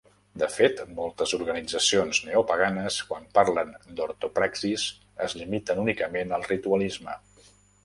De fet, moltes organitzacions neopaganes, quan parlen d'ortopraxis, es limiten únicament al ritualisme.